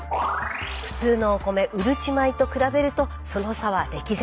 普通のお米うるち米と比べるとその差は歴然。